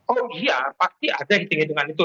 oh iya pasti ada hitung hitungan itu